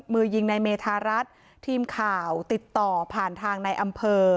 มือยิงในเมธารัฐทีมข่าวติดต่อผ่านทางในอำเภอ